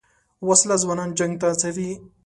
وسله ځوانان جنګ ته هڅوي